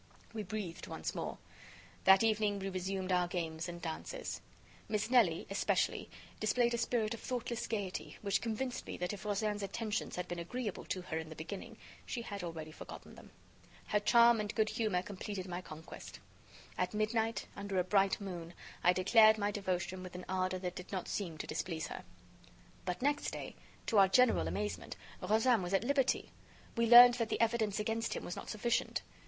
We breathed once more. That evening, we resumed our games and dances. Miss Nelly, especially, displayed a spirit of thoughtless gayety which convinced me that if Rozaine's attentions had been agreeable to her in the beginning, she had already forgotten them. Her charm and good humor completed my conquest. At midnight, under a bright moon, I declared my devotion with an ardor that did not seem to displease her. But, next day, to our general amazement, Rozaine was at liberty. We learned that the evidence against him was not sufficient.